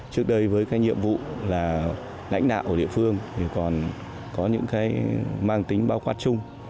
trước đây với nhiệm vụ lãnh đạo của địa phương còn có những mang tính bao quát chung